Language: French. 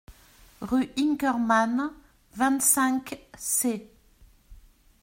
rue Inkermann, vingt-cinq, c.